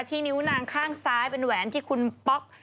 นิ้วนางข้างซ้ายเป็นแหวนที่คุณป๊อก